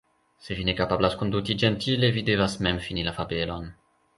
Se vi ne kapablas konduti ĝentile, vi devas mem fini la fabelon."